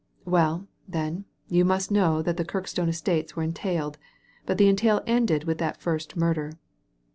••Well, then, you must know that the Kirkstone estates were entailed ; but the entail ended with that first murder."